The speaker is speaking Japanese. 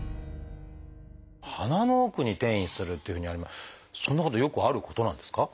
鼻の奥に転移するっていうふうにそんなことよくあることなんですか？